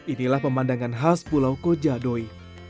inilah pemandangan khas pulau koja doi